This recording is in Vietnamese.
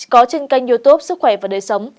có trên kênh youtube sức khỏe và đời sống